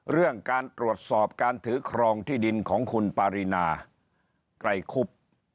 เรื่องการตรวจสอบการถือครองที่ดินของคุณปารีนาไกรคุบ